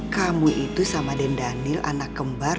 kamu itu sama den daniel anak kembar